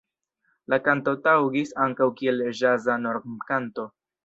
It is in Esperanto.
La kanto taŭgis ankaŭ kiel ĵaza normkanto.